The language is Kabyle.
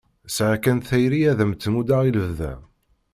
Sɛiɣ kan tayri ad am-tt-muddeɣ i lebda.